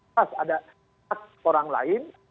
pas ada hak orang lain